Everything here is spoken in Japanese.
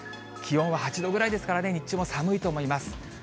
気温は８度ぐらいですからね、日中も寒いと思います。